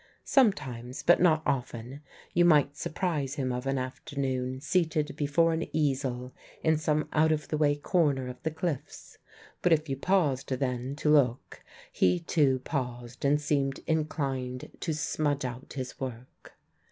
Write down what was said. Sometimes, but not often, you might surprise him of an afternoon seated before an easel in some out of the way corner of the cliffs; but if you paused then to look, he too paused and seemed inclined to smudge out his work.